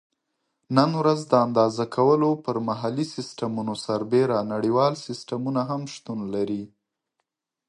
نن ورځ د اندازه کولو پر محلي سیسټمونو سربیره نړیوال سیسټمونه هم شتون لري.